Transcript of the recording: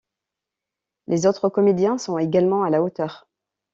Les autres comédiens sont également à la hauteur.